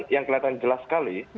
yang kelihatan jelas sekali